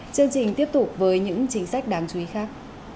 chương trình tiếp tục với những chính sách đáng chú ý khác